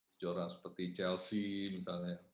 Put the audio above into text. sejora seperti chelsea misalnya